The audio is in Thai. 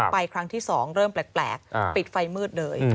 ครั้งที่๒เริ่มแปลกปิดไฟมืดเลย